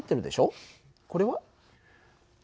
これは？